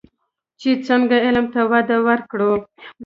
چې څنګه علم ته وده ورکړو.